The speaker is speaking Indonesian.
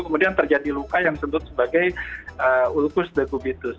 kemudian terjadi luka yang disebut sebagai ulcus dekubitus